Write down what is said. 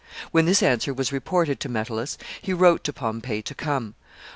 When this answer was reported to Metellus, he wrote to Pompey to come.